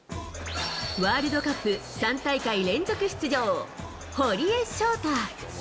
ワールドカップ３大会連続出場、堀江翔太。